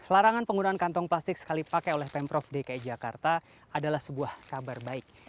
larangan penggunaan kantong plastik sekali pakai oleh pemprov dki jakarta adalah sebuah kabar baik